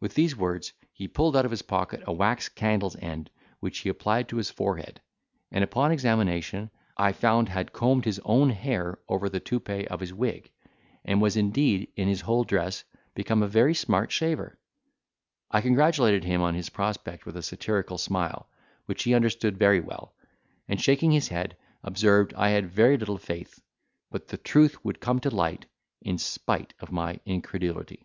With these words, he pulled out of his pocket a wax candle's end, which he applied to his forehead; and upon examination, I found had combed his own hair over the toupee of his wig, and was, indeed, in his whole dress, become a very smart shaver. I congratulated him on his prospect with a satirical smile, which he understood very well; and, shaking his head, observed, I had very little faith, but the truth would come to light in spite of my incredulity.